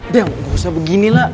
deh gak usah begini lah